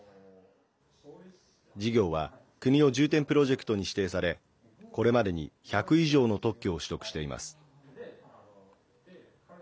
事業は国の重点プロジェクトに指定されこれまでに１００以上の特許を取得しています。